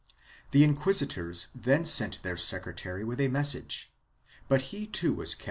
The inquisitors then sent their secretary with a message, but he too was kept at a 1 MSS.